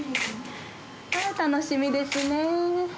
ああ楽しみですね。